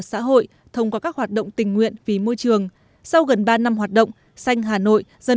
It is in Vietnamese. xã hội thông qua các hoạt động tình nguyện vì môi trường sau gần ba năm hoạt động xanh hà nội dần